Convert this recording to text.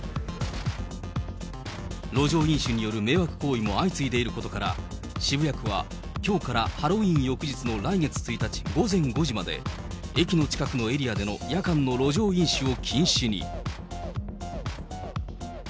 路上飲酒による迷惑行為も相次いでいることから、渋谷区はきょうからハロウィーン翌日の来月１日午前５時まで、駅の近くのエリアでの夜間の路上飲酒を禁止に。